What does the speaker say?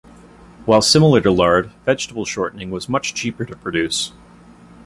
While similar to lard, vegetable shortening was much cheaper to produce.